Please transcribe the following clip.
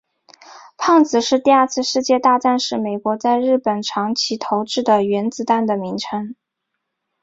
胖子是第二次世界大战时美国在日本长崎投掷的原子弹的名称。